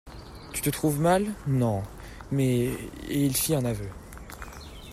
Tu te trouves mal ? Non !… Mais … et il fit un aveu.